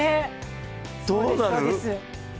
どうなる？